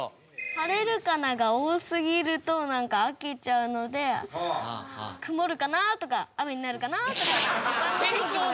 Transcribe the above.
「晴れるかな」が多すぎるとなんか飽きちゃうので「曇るかな」とか「雨になるかな」とかって他の。